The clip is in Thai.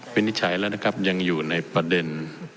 นิจฉัยแล้วนะครับยังอยู่ในประเด็น